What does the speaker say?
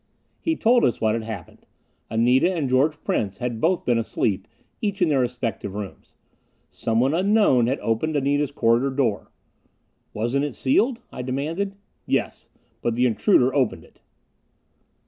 He told us what had happened. Anita and George Prince had both been asleep, each in their respective rooms. Someone unknown had opened Anita's corridor door. "Wasn't it sealed?" I demanded. "Yes. But the intruder opened it."